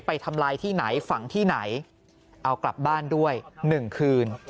ทำลายที่ไหนฝังที่ไหนเอากลับบ้านด้วย๑คืน